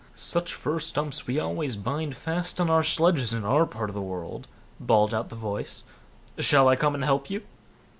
"Such fir stumps we always bind fast on our sledges in our part of the world", bawled out the voice; "shall I come and help you?"